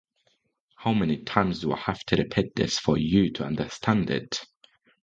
How many times do I have to repeat this for you to understand it?